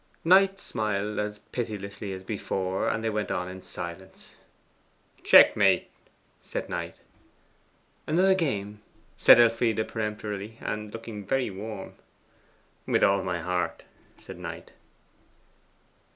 Knight smiled as pitilessly as before, and they went on in silence. 'Checkmate,' said Knight. 'Another game,' said Elfride peremptorily, and looking very warm. 'With all my heart,' said Knight.